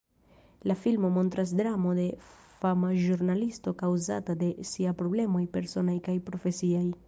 La filmo montras dramo de fama ĵurnalisto kaŭzata de sia problemoj personaj kaj profesiaj.